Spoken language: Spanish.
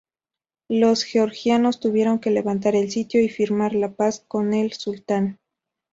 Los georgianos tuvieron que levantar el sitio y firmar la paz con el sultán.